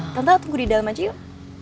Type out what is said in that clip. tanpa tunggu di dalam aja yuk